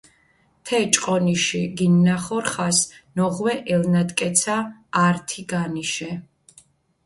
თე ჭყონიში გინახორხას ნოღვე ელნატკეცა ართი განიშე.